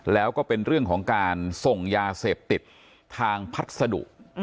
แล้วก็เป็นเรื่องของการส่งยาเสพติดทางพัสดุ